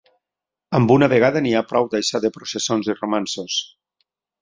Amb una vegada n'hi ha prou d'això de processons i romanços